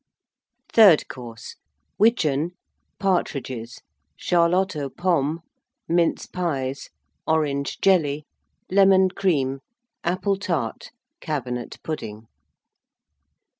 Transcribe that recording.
THIRD COURSE. Widgeon. Partridges. Charlotte aux Pommes. Mince Pies. Orange Jelly. Lemon Cream. Apple Tart. Cabinet Pudding.